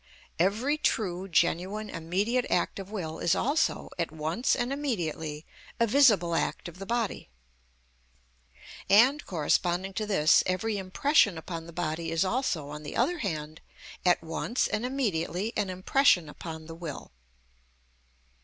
Every true, genuine, immediate act of will is also, at once and immediately, a visible act of the body. And, corresponding to this, every impression upon the body is also, on the other hand, at once and immediately an impression upon the will.